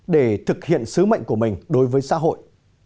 để thực hiện sứ mệnh của mình đối với xã hội